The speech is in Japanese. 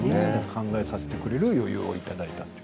考えさせてくれる余裕をいただいたと。